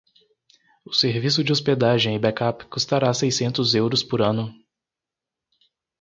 O serviço de hospedagem e backup custará seiscentos euros por ano.